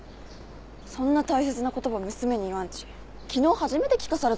そんな大切なことば娘に言わんち昨日初めて聞かされたとよ。